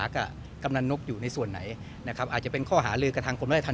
ค่ะกำลังลุกอยู่ในส่วนไหนนะครับอาจจะเป็นข้อหารือกระทั่งกลมแร็ดทัน